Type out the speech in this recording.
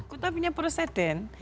kita punya proseden